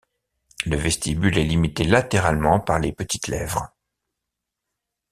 Le vestibule est limité latéralement par les petites lèvres.